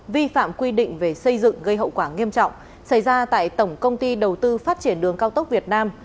vi phạm quy định về xây dựng gây hậu quả nghiêm trọng xảy ra tại tổng công ty đầu tư phát triển đường cao tốc việt nam